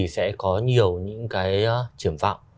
sẽ có nhiều triển vọng